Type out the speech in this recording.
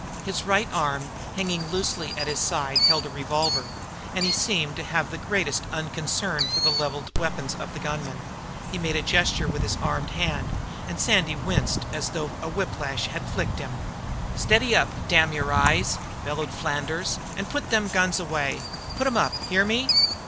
His right arm, hanging loosely at his side, held a revolver, and he seemed to have the greatest unconcern for the levelled weapons of the gunman. He made a gesture with that armed hand, and Sandy winced as though a whiplash had flicked him. "Steady up, damn your eyes!" bellowed Flanders, "and put them guns away. Put 'em up; hear me?"